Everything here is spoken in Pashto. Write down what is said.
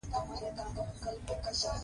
همدغسې د متن ښځمن ليدلورى متن